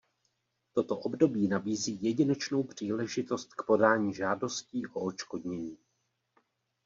Toto období nabízí jedinečnou příležitost k podání žádostí o odškodnění.